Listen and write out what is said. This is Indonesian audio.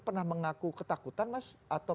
pernah mengaku ketakutan mas atau